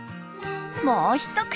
もう一口！